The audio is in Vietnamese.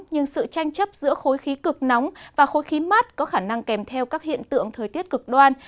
nhưng sự tranh chấp giữa khối khí cực nóng và khối khí mát có khả năng kèm theo các hiện tượng thời tiết cực đoan